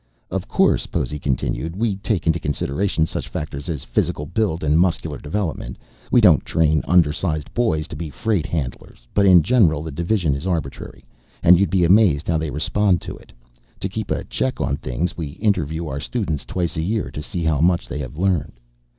"Of course," Possy continued, "we take into consideration such factors as physical build and muscular development. We don't train undersized boys to be freight handlers. But in general the division is arbitrary. And you'd be amazed how they respond to it. To keep a check on things, we interview our students twice a year to see how much they have learned.